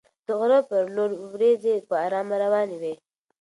د غره په لور ورېځې په ارامه روانې وې.